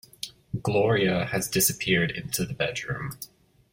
Gloria has disappeared into the bedroom.